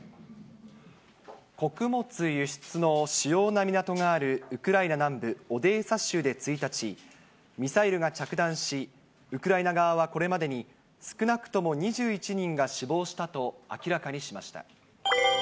穀物輸出の主要な港があるウクライナ南部オデーサ州で１日、ミサイルが着弾し、ウクライナ側はこれまでに少なくとも２１人が死亡したと明らかにしました。